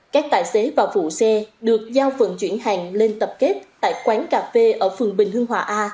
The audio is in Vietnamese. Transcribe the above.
các tài xế và phụ xe được giao phần chuyển hàng lên tập kết tại quán cà phê ở phường bình hưng hòa a